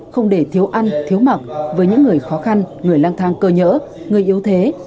không để thiếu ăn thiếu mặc với những người khó khăn người lang thang cơ nhỡ người yếu thế